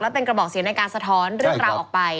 เป็นกระบอกเสียงในการสะท้อนเรื่องราวออกไป